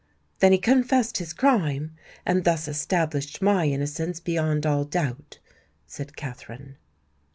"Then he confessed his crime, and thus established my innocence beyond all doubt?" said Katherine.